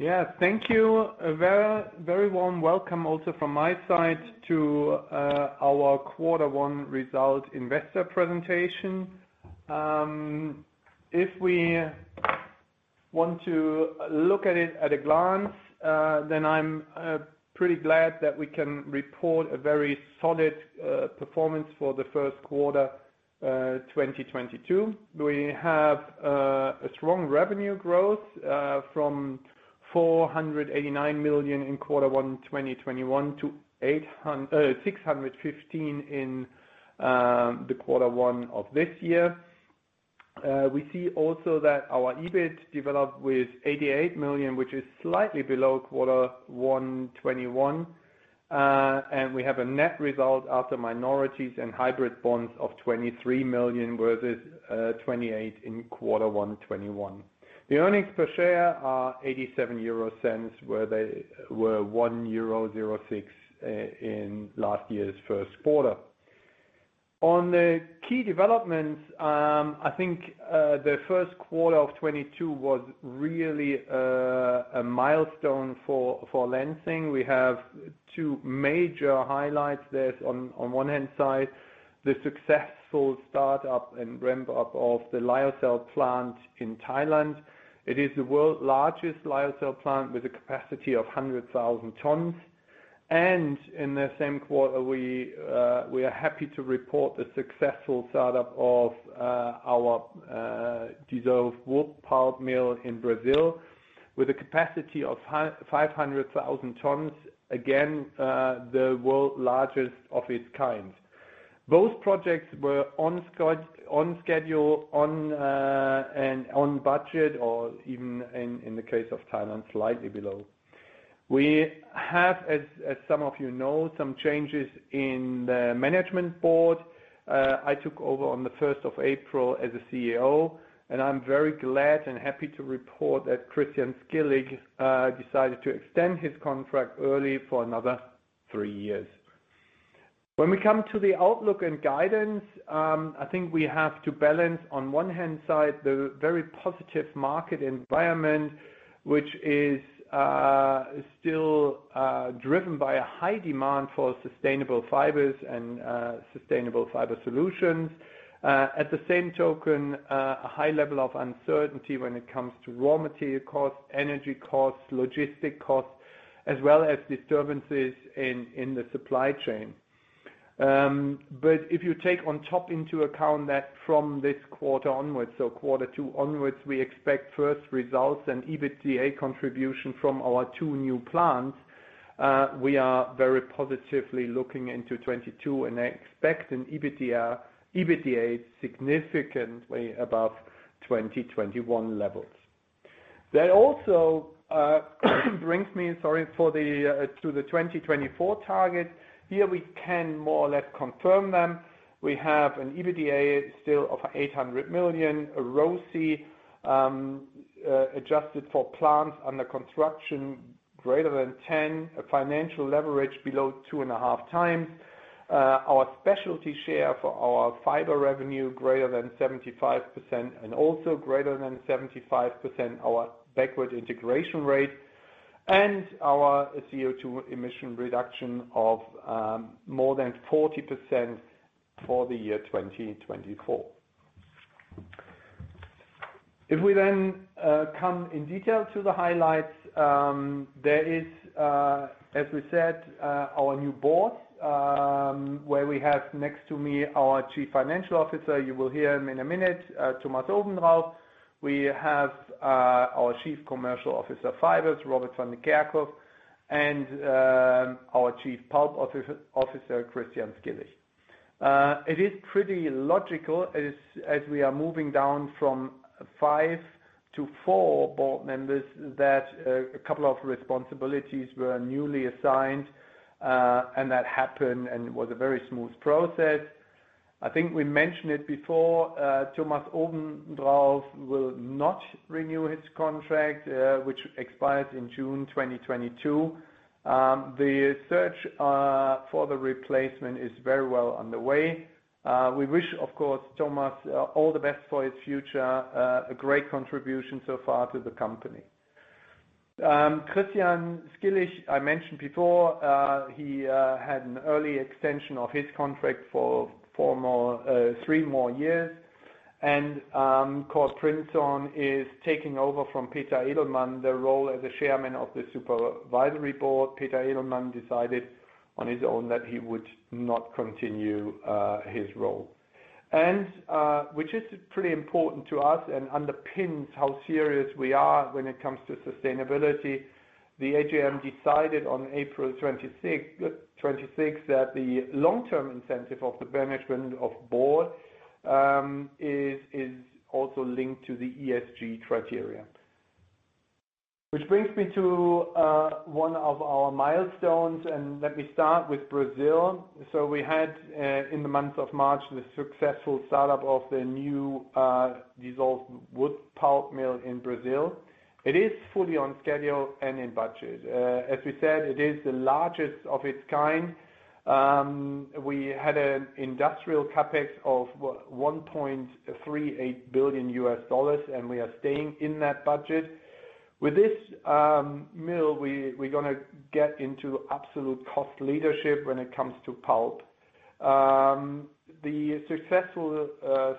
Yes, thank you. A very, very warm welcome also from my side to our quarter one result investor presentation. If we want to look at it at a glance, then I'm pretty glad that we can report a very solid performance for the first quarter 2022. We have a strong revenue growth from 489 million in quarter one 2021 to 615 million in the quarter one of this year. We see also that our EBIT developed with 88 million, which is slightly below quarter one 2021. and we have a net result after minorities and hybrid bonds of 23 million versus 28 million in quarter one 2021. The earnings per share are 0.87, where they were 1.06 euro in last year's first quarter. On the key developments, I think, the first quarter of 2022 was really a milestone for Lenzing. We have two major highlights. There is on one hand side, the successful startup and ramp up of the Lyocell plant in Thailand. It is the world's largest Lyocell plant with a capacity of 100,000 tons. In the same quarter, we are happy to report the successful startup of our dissolved wood pulp mill in Brazil with a capacity of 500,000 tons. Again, the world's largest of its kind. Those projects were on schedule and on budget, or even in the case of Thailand, slightly below. We have, as some of you know, some changes in the management board. I took over on the first of April as CEO, and I'm very glad and happy to report that Christian Skilich decided to extend his contract early for another three years. When we come to the outlook and guidance, I think we have to balance on the one hand the very positive market environment, which is still driven by a high demand for sustainable fibers and sustainable fiber solutions. At the same time, a high level of uncertainty when it comes to raw material costs, energy costs, logistics costs, as well as disturbances in the supply chain. If you take on top into account that from this quarter onwards, so quarter two onwards, we expect first results and EBITDA contribution from our two new plants, we are very positively looking into 2022 and expect an EBITDA significantly above 2021 levels. That also brings me to the 2024 target. Here we can more or less confirm them. We have an EBITDA still of 800 million, a ROCE adjusted for plants under construction greater than 10. A financial leverage below 2.5x. Our specialty share for our fiber revenue greater than 75% and also greater than 75% our backward integration rate and our CO2 emission reduction of more than 40% for the year 2024. If we then come in detail to the highlights, there is, as we said, our new board, where we have next to me our Chief Financial Officer. You will hear him in a minute, Thomas Obendrauf. We have our Chief Commercial Officer, Fibers, Robert van de Kerkhof, and our Chief Pulp Officer, Christian Skilich. It is pretty logical as we are moving down from five to four board members that a couple of responsibilities were newly assigned, and that happened and it was a very smooth process. I think we mentioned it before, Thomas Obendrauf will not renew his contract, which expires in June 2022. The search for the replacement is very well underway. We wish, of course, Thomas, all the best for his future. A great contribution so far to the company. Christian Skilich, I mentioned before, he had an early extension of his contract for three more years. Cord Prinzhorn is taking over from Peter Edelmann the role as the Chairman of the Supervisory Board. Peter Edelmann decided on his own that he would not continue his role, which is pretty important to us and underpins how serious we are when it comes to sustainability. The AGM decided on April 26th that the long-term incentive of the management board is also linked to the ESG criteria. Which brings me to one of our milestones, and let me start with Brazil. We had in the month of March the successful startup of the new dissolving wood pulp mill in Brazil. It is fully on schedule and in budget. As we said, it is the largest of its kind. We had an industrial CapEx of, what? $1.38 billion, and we are staying in that budget. With this mill, we're gonna get into absolute cost leadership when it comes to pulp. The successful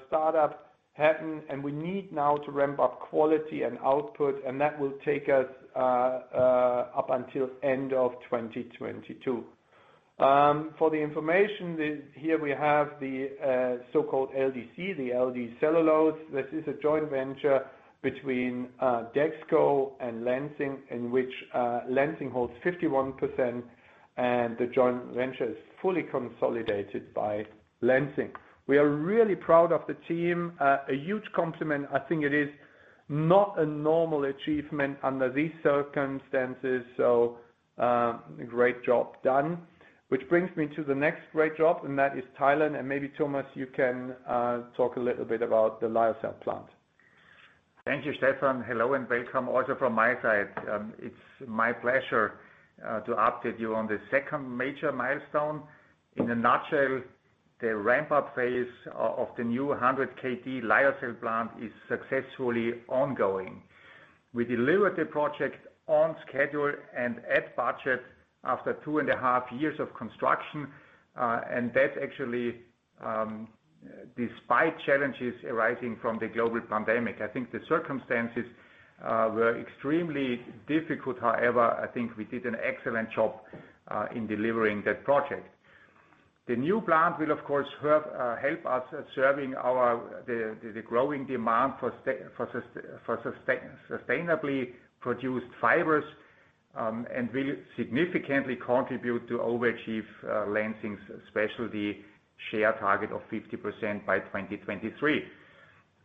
startup happened, and we need now to ramp up quality and output, and that will take us up until end of 2022. For the information, here we have the so-called LDC, the LD Celulose. This is a joint venture between Dexco and Lenzing, in which Lenzing holds 51% and the joint venture is fully consolidated by Lenzing. We are really proud of the team. A huge compliment. I think it is not a normal achievement under these circumstances. Great job done. Which brings me to the next great job, and that is Thailand. Maybe, Thomas, you can talk a little bit about the Lyocell plant. Thank you, Stephan. Hello, and welcome also from my side. It's my pleasure to update you on the second major milestone. In a nutshell, the ramp-up phase of the new 100 kt lyocell plant is successfully ongoing. We delivered the project on schedule and at budget after two and a half years of construction, and that actually despite challenges arising from the global pandemic. I think the circumstances were extremely difficult. However, I think we did an excellent job in delivering that project. The new plant will of course help us serving the growing demand for sustainably produced fibers, and will significantly contribute to overachieve Lenzing's specialty share target of 50% by 2023.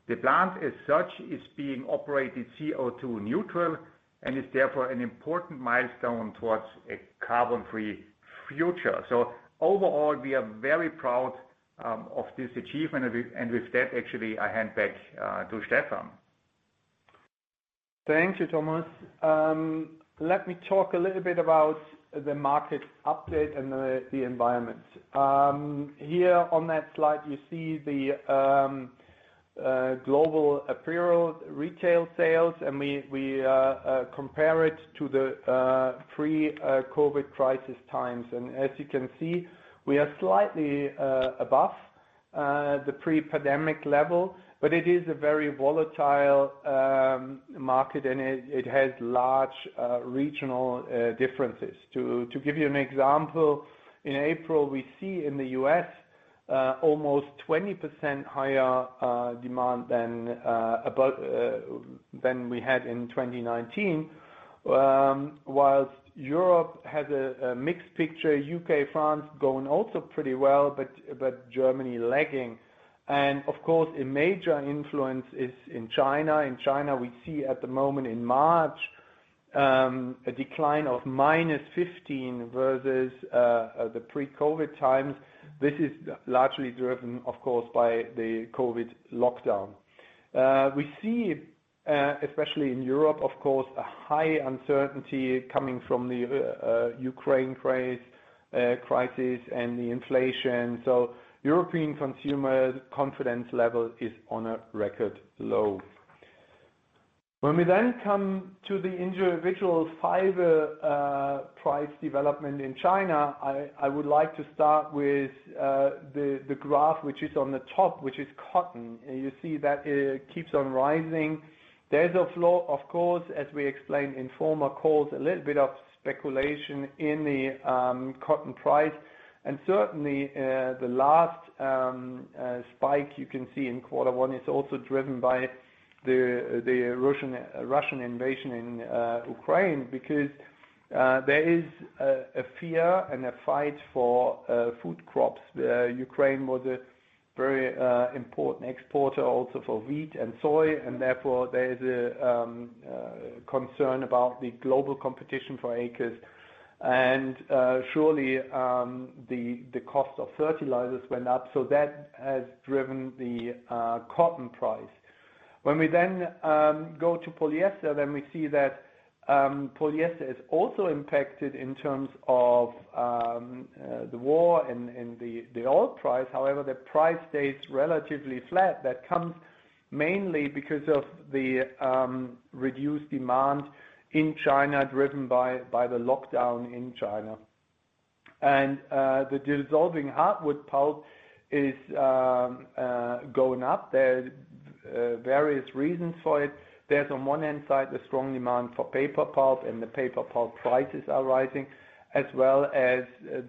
The plant as such is being operated CO2 neutral and is therefore an important milestone towards a carbon-free future. Overall, we are very proud of this achievement. With that, actually, I hand back to Stephan. Thank you, Thomas. Let me talk a little bit about the market update and the environment. Here on that slide, you see the global apparel retail sales, and we compare it to the pre-COVID crisis times. As you can see, we are slightly above the pre-pandemic level, but it is a very volatile market, and it has large regional differences. To give you an example, in April, we see in the U.S. almost 20% higher demand than we had in 2019, whilst Europe has a mixed picture, U.K., France going also pretty well, but Germany lagging. Of course, a major influence is in China. In China, we see at the moment in March a decline of -15% versus the pre-COVID times. This is largely driven, of course, by the COVID lockdown. We see especially in Europe, of course, a high uncertainty coming from the Ukraine crisis and the inflation. European consumer confidence level is on a record low. When we then come to the individual fiber price development in China, I would like to start with the graph which is on the top, which is Cotton. You see that it keeps on rising. There's a flaw, of course, as we explained in former calls, a little bit of speculation in the Cotton price. Certainly, the last spike you can see in quarter one is also driven by the Russian invasion in Ukraine because there is a fear and a fight for food crops. Ukraine was a very important exporter also for wheat and soy, and therefore there is a concern about the global competition for acres. Surely, the cost of fertilizers went up. That has driven the cotton price. When we then go to polyester, then we see that polyester is also impacted in terms of the war and the oil price. However, the price stays relatively flat. That comes mainly because of the reduced demand in China, driven by the lockdown in China. The dissolving hardwood pulp is going up. There are various reasons for it. There's on one hand side, the strong demand for paper pulp, and the paper pulp prices are rising, as well as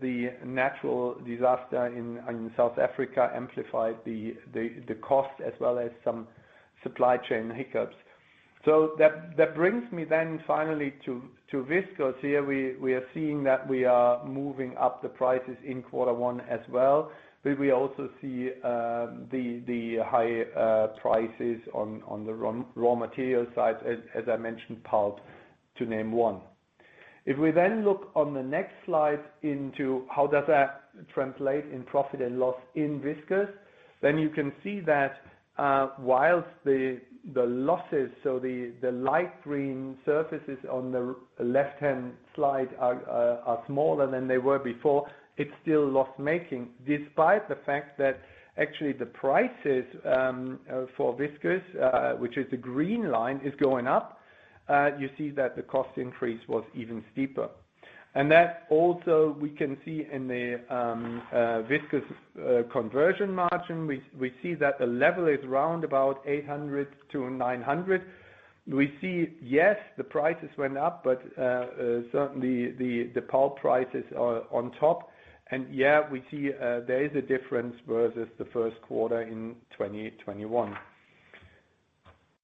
the natural disaster in South Africa amplified the cost as well as some supply chain hiccups. That brings me finally to viscose. Here we are seeing that we are moving up the prices in quarter one as well, but we also see the high prices on the raw material side, as I mentioned, pulp to name one. If we then look on the next slide into how does that translate in profit and loss in viscose, then you can see that whilst the losses, so the light green surfaces on the left-hand slide are smaller than they were before, it's still loss-making. Despite the fact that actually the prices for viscose, which is the green line, is going up, you see that the cost increase was even steeper. That also we can see in the viscose conversion margin. We see that the level is around about 800- 900. We see, yes, the prices went up, but certainly the pulp prices are on top. Yeah, we see there is a difference versus the first quarter in 2021.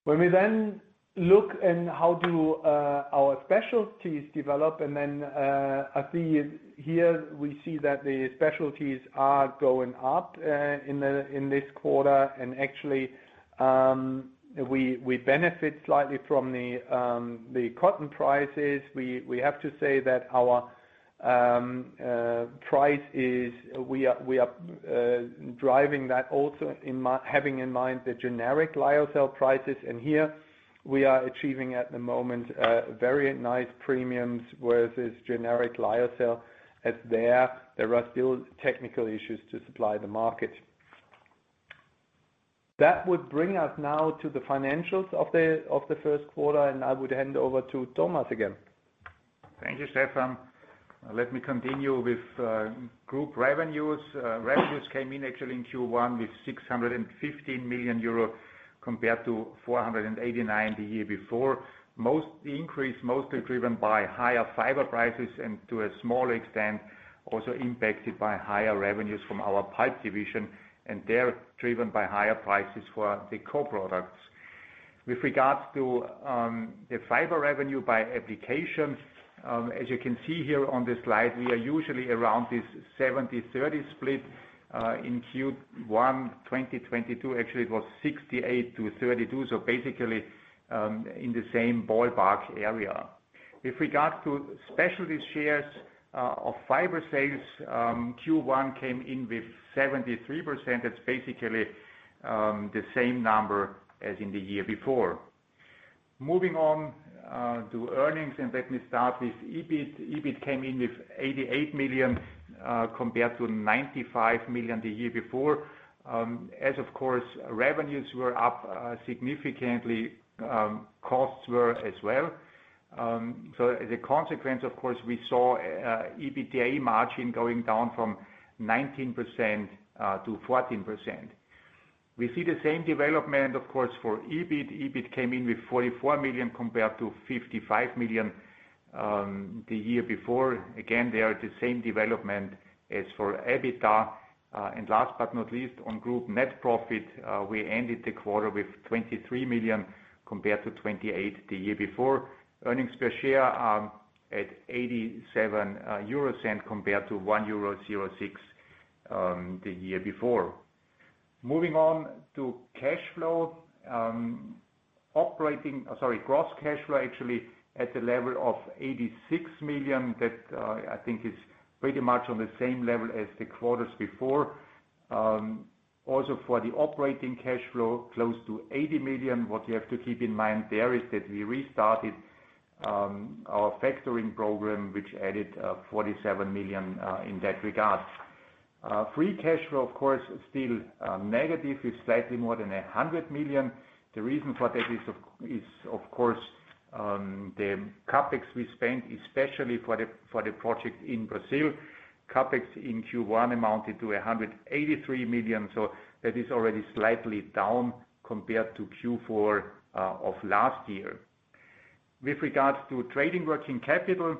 When we then look into how our specialties develop, and then I see here we see that the specialties are going up in this quarter. Actually, we benefit slightly from the cotton prices. We have to say that our price, we are driving that also having in mind the generic lyocell prices. Here we are achieving at the moment very nice premiums versus generic lyocell, as there are still technical issues to supply the market. That would bring us now to the financials of the first quarter, and I would hand over to Thomas again. Thank you, Stephan. Let me continue with group revenues. Revenues came in actually in Q1 with 615 million euro compared to 489 million the year before. The increase mostly driven by higher fiber prices and to a smaller extent, also impacted by higher revenues from our pulp division, and they're driven by higher prices for the co-products. With regard to the fiber revenue by applications, as you can see here on this slide, we are usually around this 70:30 split. In Q1 2022, actually, it was 68%-32%, so basically in the same ballpark area. With regard to specialty shares of fiber sales, Q1 came in with 73%. That's basically the same number as in the year before. Moving on to earnings, and let me start with EBIT. EBIT came in with 88 million, compared to 95 million the year before. As of course, revenues were up, significantly, costs were as well. So the consequence, of course, we saw, EBITDA margin going down from 19% to 14%. We see the same development, of course, for EBIT. EBIT came in with 44 million compared to 55 million, the year before. Again, they are the same development as for EBITDA. And last but not least, on group net profit, we ended the quarter with 23 million compared to 28 million the year before. Earnings per share, at 0.87 compared to 1.06 euro, the year before. Moving on to cash flow, gross cash flow, actually, at the level of 86 million. That, I think is pretty much on the same level as the quarters before. Also for the operating cash flow, close to 80 million. What you have to keep in mind there is that we restarted our factoring program, which added 47 million in that regard. Free Cash Flow, of course, still negative with slightly more than 100 million. The reason for that is of course the CapEx we spent, especially for the project in Brazil. CapEx in Q1 amounted to 183 million, so that is already slightly down compared to Q4 of last year. With regards to trading working capital,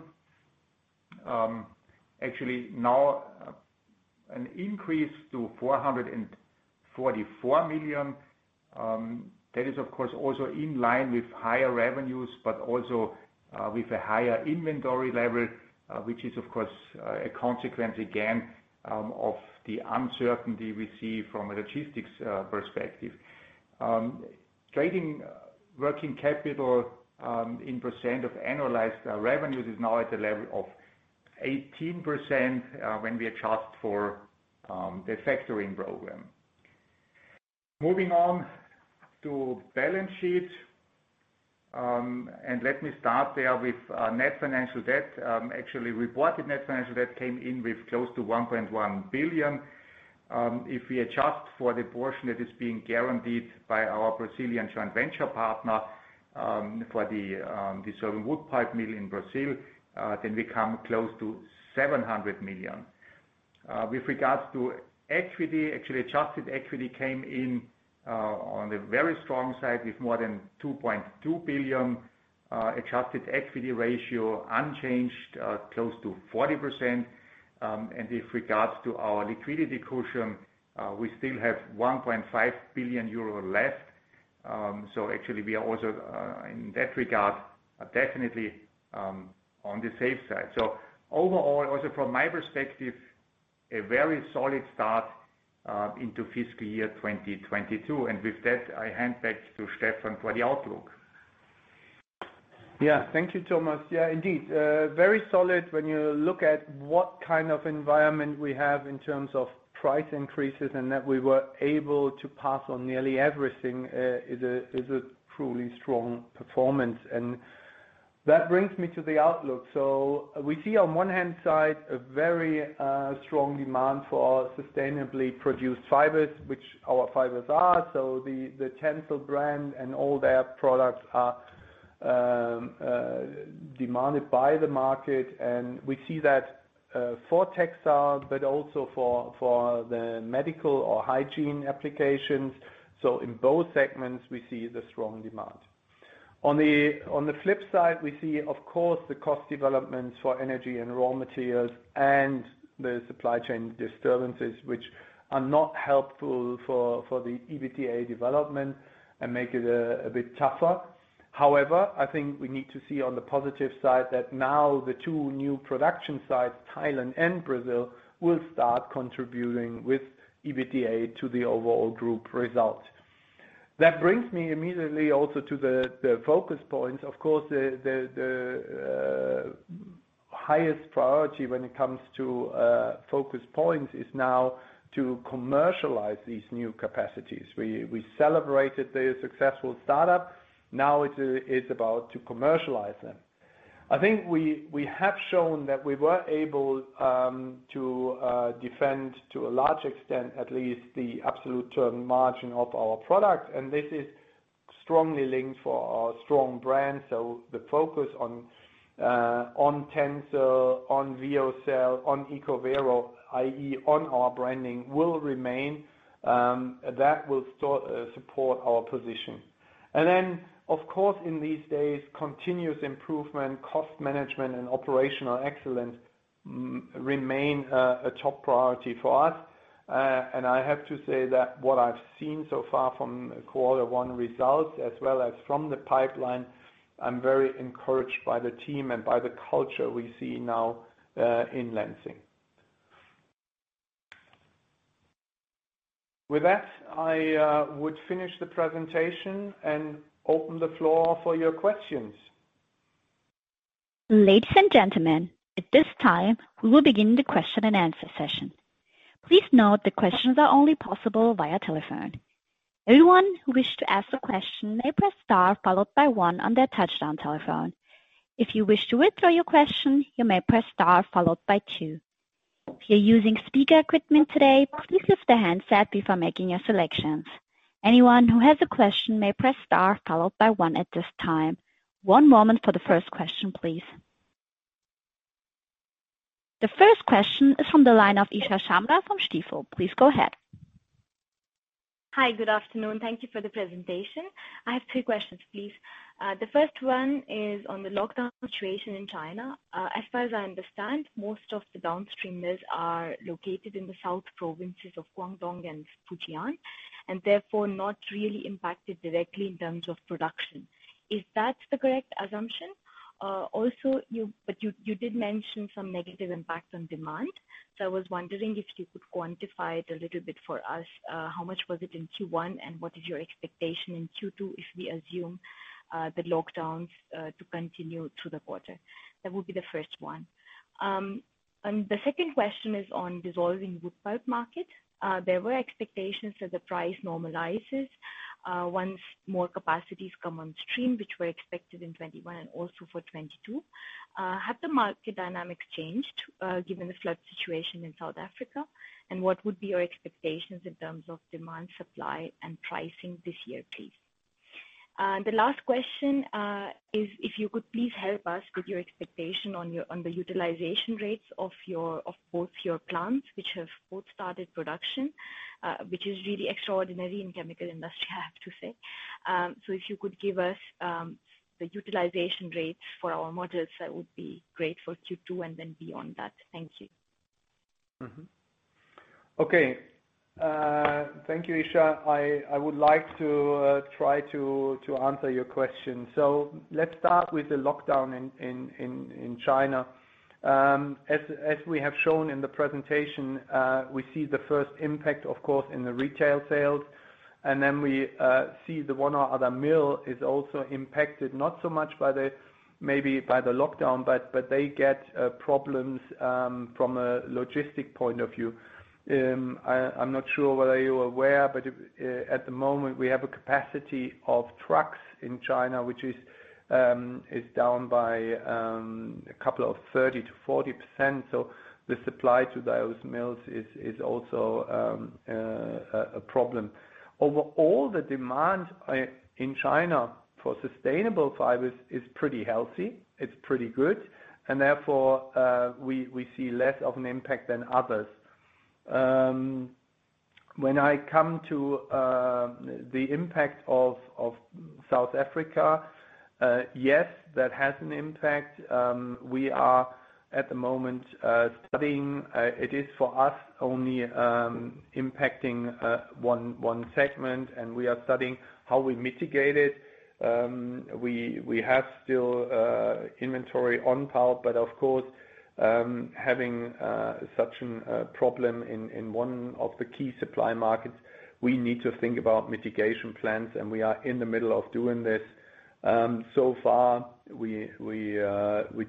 actually now an increase to 444 million. That is, of course, also in line with higher revenues, but also, with a higher inventory level, which is of course, a consequence again, of the uncertainty we see from a logistics perspective. Trading working capital in percent of annualized revenues is now at the level of 18%, when we adjust for the factoring program. Moving on to balance sheet, let me start there with net financial debt. Actually reported net financial debt came in with close to 1.1 billion. If we adjust for the portion that is being guaranteed by our Brazilian joint venture partner for the dissolving wood pulp mill in Brazil, then we come close to 700 million. With regards to equity, actually adjusted equity came in on the very strong side with more than 2.2 billion. Adjusted equity ratio unchanged, close to 40%. With regards to our liquidity cushion, we still have 1.5 billion euro left. Actually we are also in that regard, definitely, on the safe side. Overall, also from my perspective, a very solid start into fiscal year 2022. With that, I hand back to Stephan for the outlook. Yeah. Thank you, Thomas. Yeah, indeed, very solid when you look at what kind of environment we have in terms of price increases and that we were able to pass on nearly everything, is a truly strong performance. That brings me to the outlook. We see on one hand side a very strong demand for our sustainably produced fibers, which our fibers are. The TENCEL brand and all their products are demanded by the market, and we see that for textile but also for the medical or hygiene applications. In both segments we see the strong demand. On the flip side we see, of course, the cost developments for energy and raw materials and the supply chain disturbances which are not helpful for the EBITDA development and make it a bit tougher. However, I think we need to see on the positive side that now the two new production sites, Thailand and Brazil, will start contributing with EBITDA to the overall group results. That brings me immediately also to the focus points. Of course, the highest priority when it comes to focus points is now to commercialize these new capacities. We celebrated the successful startup, now it's about to commercialize them. I think we have shown that we were able to defend to a large extent at least the absolute term margin of our products, and this is strongly linked for our strong brand. The focus on TENCEL, on VEOCEL, on ECOVERO, i.e. on our branding will remain, that will support our position. Of course, in these days, continuous improvement, cost management and operational excellence remain a top priority for us. I have to say that what I've seen so far from quarter one results as well as from the pipeline, I'm very encouraged by the team and by the culture we see now in Lenzing. With that, I would finish the presentation and open the floor for your questions. Ladies and gentlemen, at this time we will begin the question-and-answer session. Please note that questions are only possible via telephone. Anyone who wishes to ask a question may press star followed by one on their touch-tone telephone. If you wish to withdraw your question, you may press star followed by two. If you're using speaker equipment today, please lift the handset before making your selections. Anyone who has a question may press star followed by one at this time. One moment for the first question, please. The first question is from the line of Isha Sharma from Stifel. Please go ahead. Hi. Good afternoon. Thank you for the presentation. I have three questions, please. The first one is on the lockdown situation in China. As far as I understand, most of the downstream mills are located in the south provinces of Guangdong and Fujian, and therefore not really impacted directly in terms of production. Is that the correct assumption? Also, but you did mention some negative impact on demand. I was wondering if you could quantify it a little bit for us. How much was it in Q1, and what is your expectation in Q2 if we assume the lockdowns to continue through the quarter? That would be the first one. The second question is on dissolving wood pulp market. There were expectations that the price normalizes once more capacities come on stream, which were expected in 2021 and also for 2022. Have the market dynamics changed given the flood situation in South Africa? What would be your expectations in terms of demand, supply and pricing this year, please? The last question is if you could please help us with your expectation on the utilization rates of both your plants, which have both started production, which is really extraordinary in chemical industry, I have to say. If you could give us the utilization rates for our models, that would be great for Q2 and then beyond that. Thank you. Okay. Thank you, Isha. I would like to try to answer your question. Let's start with the lockdown in China. As we have shown in the presentation, we see the first impact of course in the retail sales and then we see the one or other mill is also impacted, not so much by the lockdown, but they get problems from a logistic point of view. I'm not sure whether you're aware, but at the moment, we have a capacity of trucks in China, which is down by 30%-40%. The supply to those mills is also a problem. Overall, the demand in China for sustainable fibers is pretty healthy. It's pretty good, and therefore, we see less of an impact than others. When I come to the impact of South Africa, yes, that has an impact. We are at the moment studying. It is for us only impacting one segment and we are studying how we mitigate it. We have still inventory on pulp, but of course, having such a problem in one of the key supply markets, we need to think about mitigation plans and we are in the middle of doing this. So far we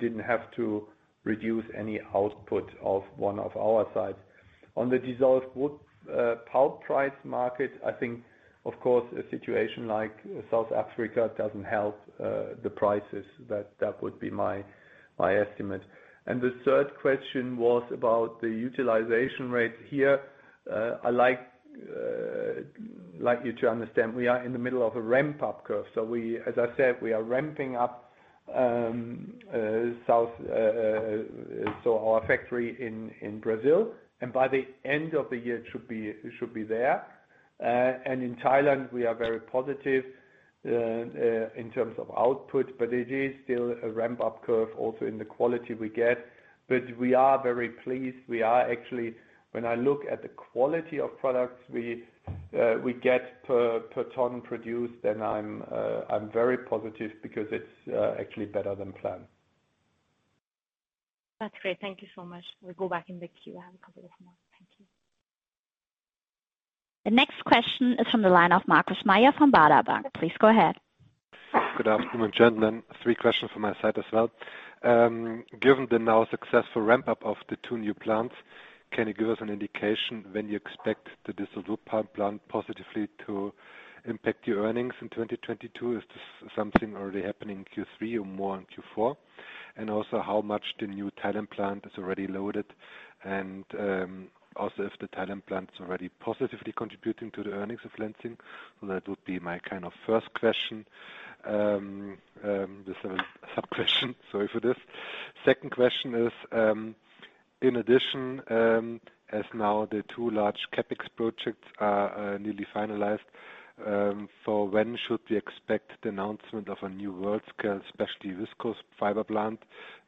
didn't have to reduce any output of one of our sites. On the dissolved wood pulp price market, I think of course a situation like South Africa doesn't help the prices. That would be my estimate. The third question was about the utilization rate here. I'd like you to understand we are in the middle of a ramp-up curve. We, as I said, are ramping up our factory in Brazil, and by the end of the year, it should be there. In Thailand, we are very positive in terms of output, but it is still a ramp-up curve also in the quality we get. We are very pleased. We are actually. When I look at the quality of products we get per ton produced, then I'm very positive because it's actually better than planned. That's great. Thank you so much. We'll go back in the queue. I have a couple of more. Thank you. The next question is from the line of Markus Mayer from Baader Bank. Please go ahead. Good afternoon, gentlemen. Three questions from my side as well. Given the now successful ramp-up of the two new plants, can you give us an indication when you expect the dissolving wood pulp plant positively to impact your earnings in 2022? Is this something already happening in Q3 or more in Q4? And also how much the new Thailand plant is already loaded, and also if the Thailand plant is already positively contributing to the earnings of Lenzing. So that would be my kind of first question. Sorry for this. Second question is, in addition, as now the two large CapEx projects are nearly finalized, for when should we expect the announcement of a new world-scale, especially viscose fiber plant?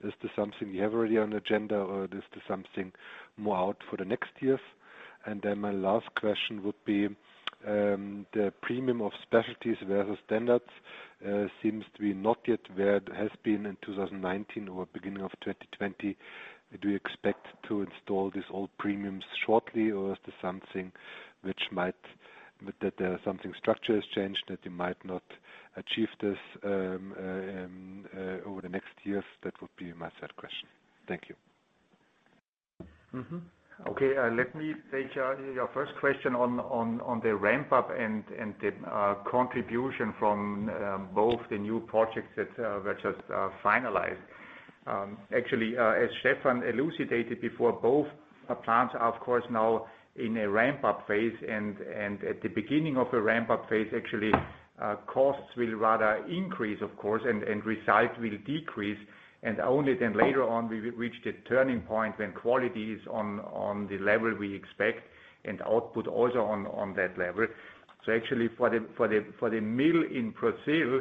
Is this something you have already on agenda or is this something more out for the next years? My last question would be, the premium of specialties versus standards seems to be not yet where it has been in 2019 or beginning of 2020. Do you expect to install these old premiums shortly or is this something that the structure has changed, that you might not achieve this over the next years? That would be my third question. Thank you. Okay. Let me take your first question on the ramp-up and the contribution from both the new projects that were just finalized. Actually, as Stephan elucidated before, both plants are of course now in a ramp-up phase, and at the beginning of a ramp-up phase, actually, costs will rather increase, of course, and results will decrease. Only then later on, we will reach the turning point when quality is on the level we expect and output also on that level. Actually for the mill in Brazil,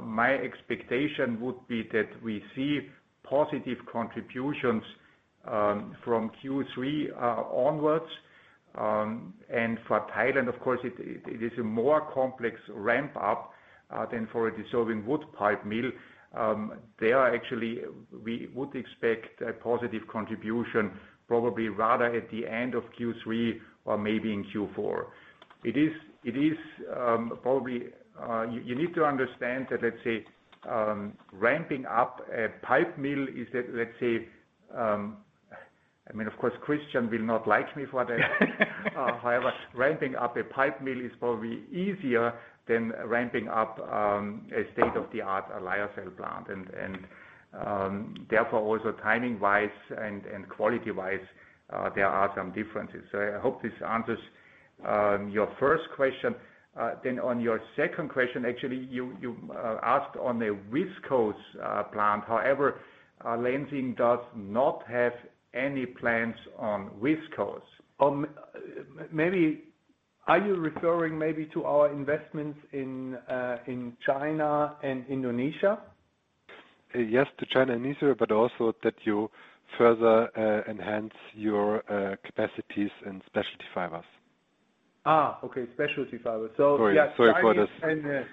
my expectation would be that we see positive contributions from Q3 onwards. For Thailand, of course, it is a more complex ramp-up than for a dissolving wood pulp mill. We would expect a positive contribution probably rather at the end of Q3 or maybe in Q4. It is probably you need to understand that, let's say, ramping up a pulp mill is, let's say, I mean, of course, Christian will not like me for that. However, ramping up a pulp mill is probably easier than ramping up a state-of-the-art lyocell plant. Therefore, also timing-wise and quality-wise, there are some differences. I hope this answers your first question. On your second question, actually, you asked on a viscose plant. However, Lenzing does not have any plans on viscose. Maybe are you referring maybe to our investments in China and Indonesia. Yes, to China and Indonesia, but also that you further enhance your capacities in specialty fibers. Okay. Specialty fibers. Sorry. Sorry for this.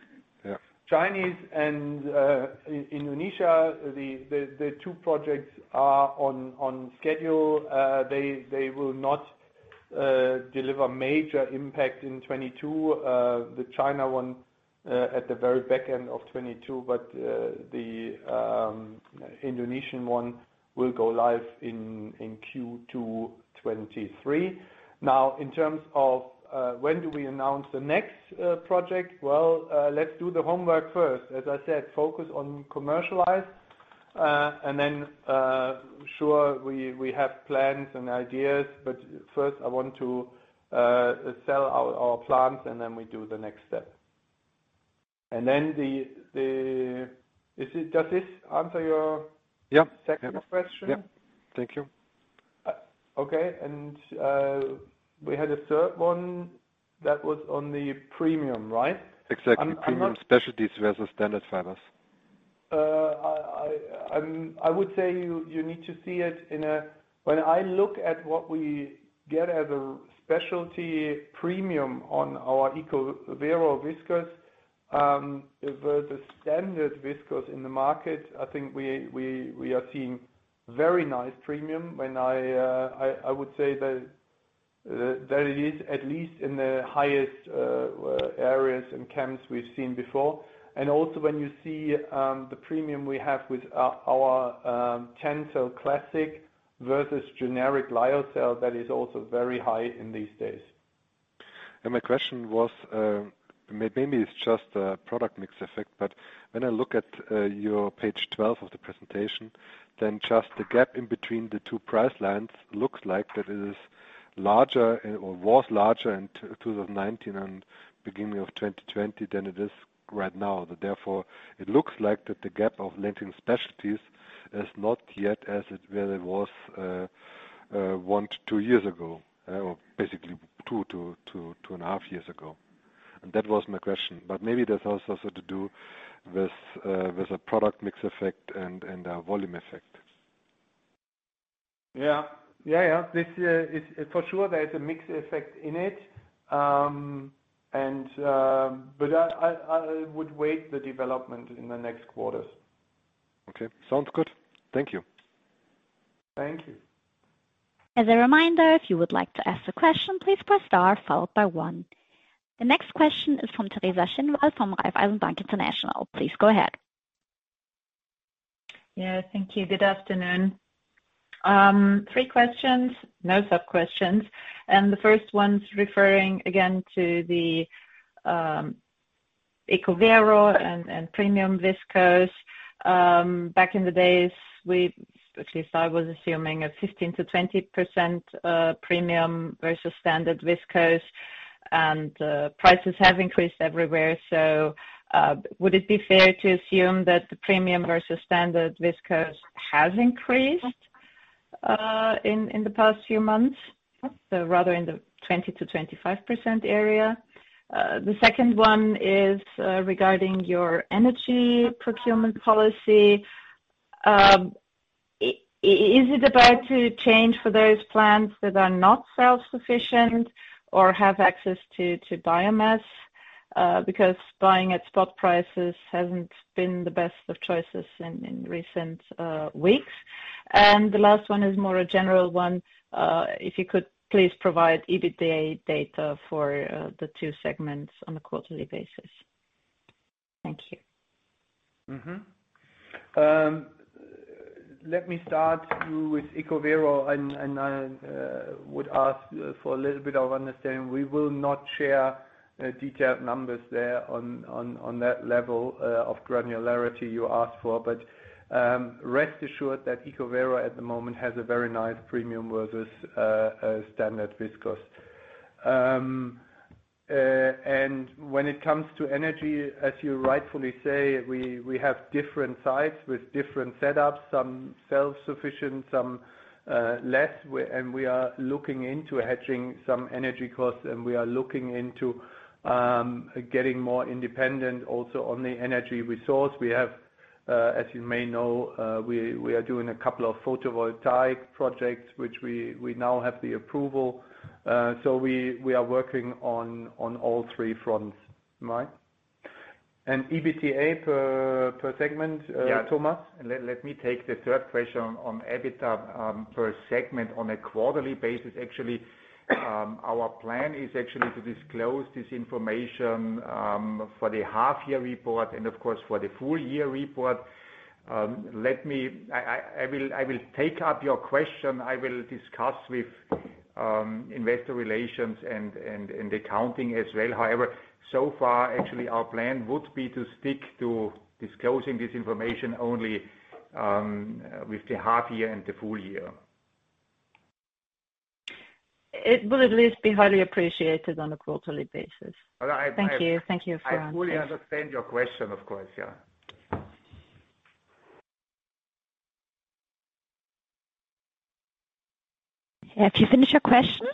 Yes, China and Indonesia, the two projects are on schedule. They will not deliver major impact in 2022. The China one at the very back end of 2022, but the Indonesian one will go live in Q2 2023. Now, in terms of when do we announce the next project? Well, let's do the homework first. As I said, focus on commercialization, and then sure, we have plans and ideas, but first I want to sell out our plants and then we do the next step. Then the. Is it. Does this answer your Yeah. Second question? Yeah. Thank you. Okay. We had a third one that was on the premium, right? Exactly. Premium specialties versus standard fibers. I would say when I look at what we get as a specialty premium on our ECOVERO viscose versus standard viscose in the market, I think we are seeing very nice premium. I would say that it is at least in the highest areas and range we've seen before. Also when you see the premium we have with our TENCEL Classic versus generic lyocell, that is also very high in these days. My question was maybe it's just a product mix effect, but when I look at your page 12 of the presentation, then just the gap in between the two price lines looks like that it is larger or was larger in 2019 and beginning of 2020 than it is right now. Therefore, it looks like that the gap of Lenzing specialties is not yet as it really was one to two years ago or basically two to two and half years ago. And that was my question. Maybe that's also something to do with a product mix effect and a volume effect. Yeah. This is for sure. There is a mix effect in it. I would wait for the development in the next quarters. Okay. Sounds good. Thank you. Thank you. As a reminder, if you would like to ask a question, please press star followed by one. The next question is from Teresa Schinwald from Raiffeisen Bank International. Please go ahead. Yeah, thank you. Good afternoon. Three questions. No sub questions. The first one's referring again to the ECOVERO and premium viscose. Back in the days, we, at least I was assuming a 15%-20% premium versus standard viscose. Prices have increased everywhere. Would it be fair to assume that the premium versus standard viscose has increased in the past few months? Rather in the 20%-25% area? The second one is regarding your energy procurement policy. Is it about to change for those plants that are not self-sufficient or have access to biomass? Because buying at spot prices hasn't been the best of choices in recent weeks. The last one is more a general one. If you could please provide EBITDA data for the two segments on a quarterly basis. Thank you. Let me start you with ECOVERO, and I would ask for a little bit of understanding. We will not share detailed numbers there on that level of granularity you ask for. Rest assured that ECOVERO at the moment has a very nice premium versus standard viscose. When it comes to energy, as you rightfully say, we have different sites with different setups, some self-sufficient, some less. We are looking into hedging some energy costs, and we are looking into getting more independent also on the energy resource. We have, as you may know, we are doing a couple of photovoltaic projects, which we now have the approval. So we are working on all three fronts. Right. EBITDA per segment, Thomas. Yeah. Let me take the third question on EBITDA, per segment on a quarterly basis. Actually, our plan is actually to disclose this information, for the half year report and of course, for the full year report. I will take up your question. I will discuss with investor relations and accounting as well. However, so far, actually, our plan would be to stick to disclosing this information only, with the half year and the full year. It will at least be highly appreciated on a quarterly basis. Well, I. Thank you. Thank you for asking. I fully understand your question, of course. Yeah. Have you finished your question?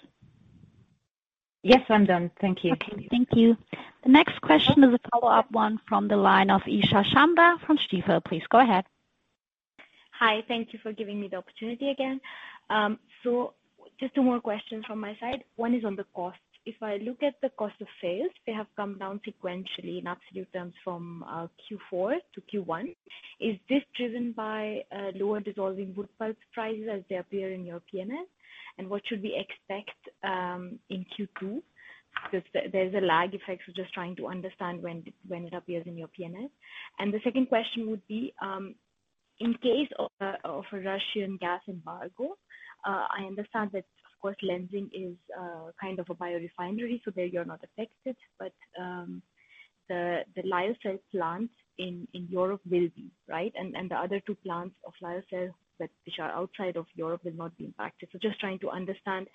Yes, I'm done. Thank you. Okay. Thank you. The next question is a follow-up one from the line of Isha Sharma from Stifel. Please go ahead. Hi. Thank you for giving me the opportunity again. Just two more questions from my side. One is on the cost. If I look at the cost of sales, they have come down sequentially in absolute terms from Q4 to Q1. Is this driven by lower dissolving wood pulp prices as they appear in your P&L? What should we expect in Q2? Because there's a lag effect. Just trying to understand when it appears in your P&L. The second question would be in case of a Russian gas embargo. I understand that of course Lenzing is kind of a biorefinery, so there you're not affected. The lyocell plant in Europe will be, right? The other two plants of lyocell, but which are outside of Europe, will not be impacted. Just trying to understand,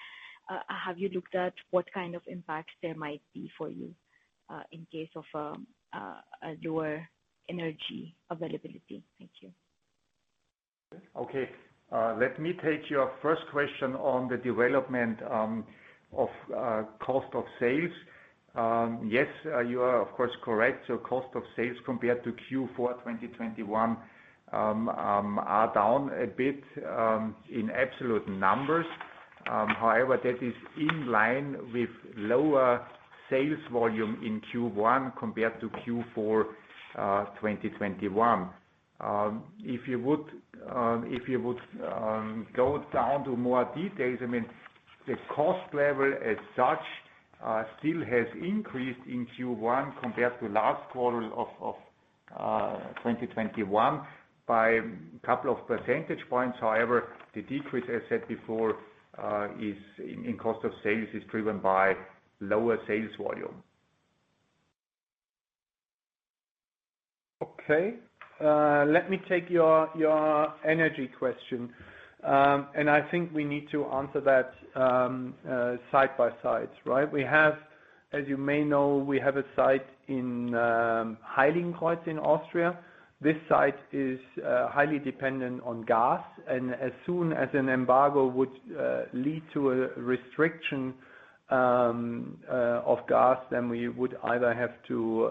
have you looked at what kind of impact there might be for you, in case of a lower energy availability? Thank you. Okay. Let me take your first question on the development of cost of sales. Yes, you are of course correct. Our cost of sales compared to Q4 2021 are down a bit in absolute numbers. However, that is in line with lower sales volume in Q1 compared to Q4 2021. If you would go down to more details, I mean, the cost level as such still has increased in Q1 compared to last quarter. 2021 by couple of percentage points. However, the decrease, as said before, is in cost of sales, driven by lower sales volume. Okay. Let me take your energy question. I think we need to answer that side by side, right? We have, as you may know, a site in Heiligenkreuz in Austria. This site is highly dependent on gas, and as soon as an embargo would lead to a restriction of gas, then we would either have to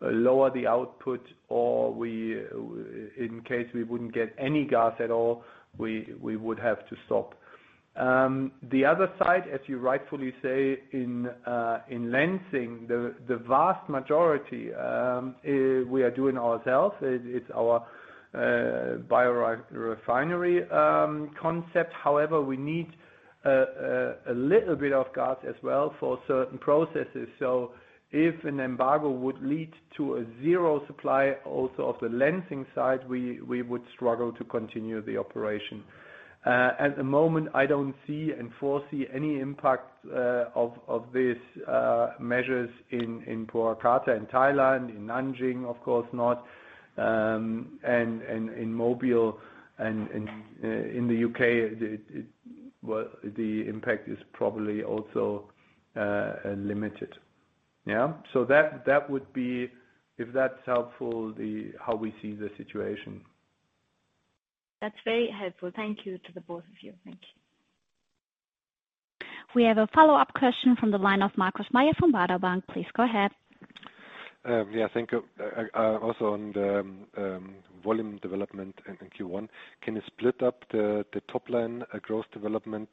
lower the output or in case we wouldn't get any gas at all, we would have to stop. The other side, as you rightfully say, in Lenzing, the vast majority, we are doing ourselves. It's our biorefinery concept. However, we need a little bit of gas as well for certain processes. If an embargo would lead to a zero supply also of the Lenzing site, we would struggle to continue the operation. At the moment, I don't see and foresee any impact of these measures in Purwakarta in Indonesia, in Nanjing of course not, and in Mobile and in the U.K., the impact is probably also limited. That would be, if that's helpful, how we see the situation. That's very helpful. Thank you to the both of you. Thank you. We have a follow-up question from the line of Markus Mayer from Baader Bank. Please go ahead. Yeah, thank you. Also on the volume development in Q1, can you split up the top line growth development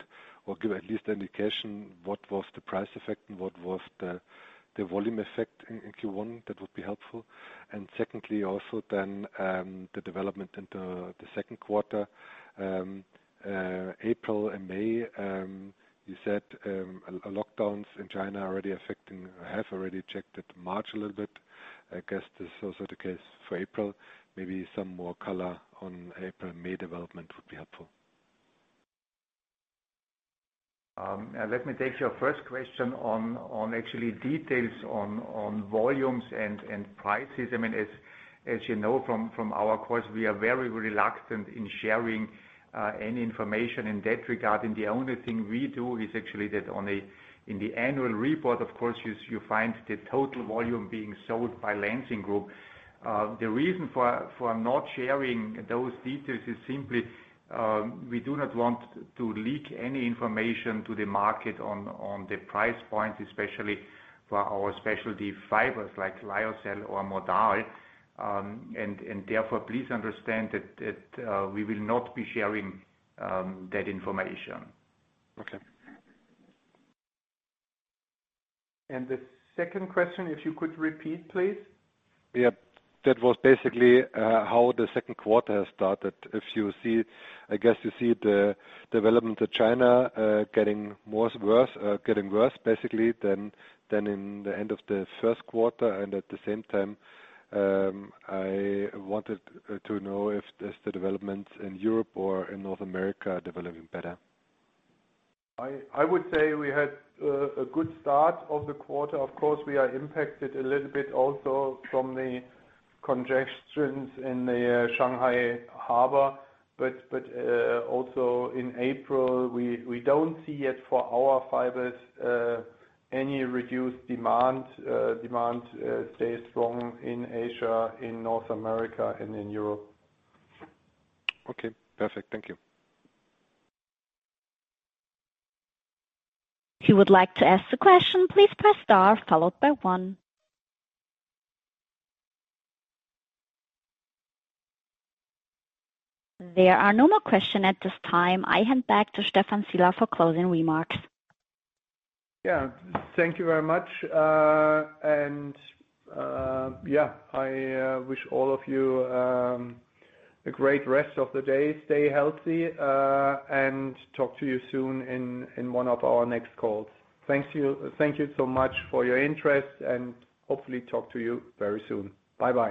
or give at least indication what was the price effect and what was the volume effect in Q1? That would be helpful. Secondly, also then, the development in the second quarter, April and May, you said, lockdowns in China are already affecting or have already affected March a little bit. I guess this is also the case for April. Maybe some more color on April and May development would be helpful. Let me take your first question on details on volumes and prices. I mean, as you know from our course, we are very reluctant in sharing any information in that regard. The only thing we do is actually that in the annual report, of course, you find the total volume being sold by Lenzing Group. The reason for not sharing those details is simply we do not want to leak any information to the market on the price points, especially for our specialty fibers like Lyocell or Modal. Therefore, please understand that we will not be sharing that information. Okay. The second question, if you could repeat, please. Yeah. That was basically how the second quarter has started. I guess you see the development of China getting worse basically than in the end of the first quarter. At the same time, I wanted to know if the developments in Europe or in North America are developing better. I would say we had a good start of the quarter. Of course, we are impacted a little bit also from the congestion in the Shanghai Harbor. Also in April, we don't see yet for our fibers any reduced demand. Demand stays strong in Asia, in North America and in Europe. Okay. Perfect. Thank you. If you would like to ask the question, please press star followed by one. There are no more questions at this time. I hand back to Stephan Sielaff for closing remarks. Yeah. Thank you very much. Yeah, I wish all of you a great rest of the day. Stay healthy, and talk to you soon in one of our next calls. Thank you. Thank you so much for your interest and hopefully talk to you very soon. Bye-bye.